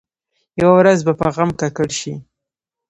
یوه ورځ به په غم ککړ شي.